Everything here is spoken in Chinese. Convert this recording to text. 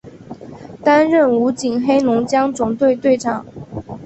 担任武警黑龙江总队队长。